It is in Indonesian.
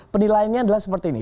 penilaiannya adalah seperti ini